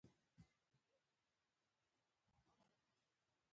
په افغانستان کې نفت شتون لري.